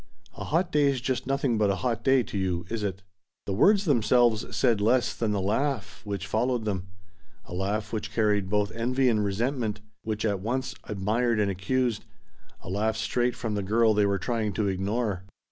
"A hot day's just nothing but a hot day to you, is it?" The words themselves said less than the laugh which followed them a laugh which carried both envy and resentment, which at once admired and accused, a laugh straight from the girl they were trying to ignore.